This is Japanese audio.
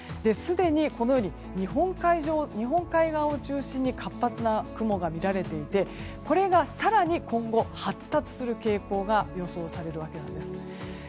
すでに、日本海側を中心に活発な雲が見られていてこれが更に今後、発達する傾向が予想されるわけです。